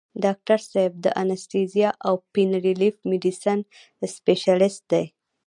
ډاکټر صېب دانستهزيا او پين ريليف ميډيسن سپيشلسټ دے ۔